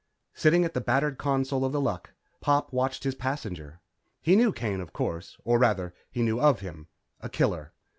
Sitting at the battered console of The Luck, Pop watched his passenger. He knew Kane, of course. Or rather, he knew of him. A killer.